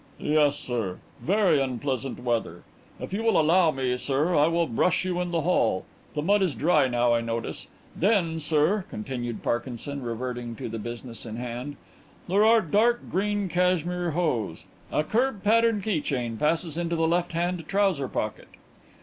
"Yes, sir; very unpleasant weather. If you will allow me, sir, I will brush you in the hall. The mud is dry now, I notice. Then, sir," continued Parkinson, reverting to the business in hand, "there are dark green cashmere hose. A curb pattern key chain passes into the left hand trouser pocket."